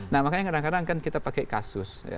nah makanya kadang kadang kan kita pakai kasus